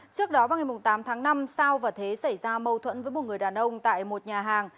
trước đó vào ngày tám tháng năm sao và thế xảy ra mâu thuẫn với một người đàn ông tại một nhà hàng